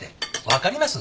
分かります？